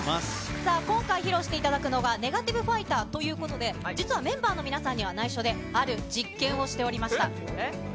さあ、今回披露していただくのは、ネガティブファイターということで、実はメンバーの皆さんには内緒である実験をしておりました。